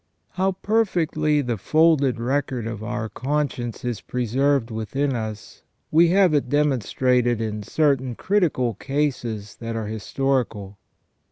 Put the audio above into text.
How perfectly the folded record of our conscience is preserved within us we have it demonstrated in certain critical cases that are historical.